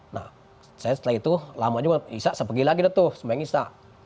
nah saya setelah itu lama juga isya saya pergi lagi deh tuh sebaiknya isya